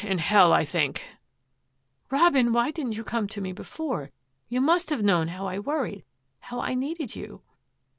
In Hell, I think !'' "Robin, why didn't you come to me before? You must have known how I worried, how I needed you